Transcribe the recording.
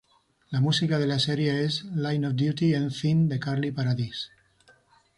La música de la serie es "Line Of Duty End Theme" de Carly Paradis.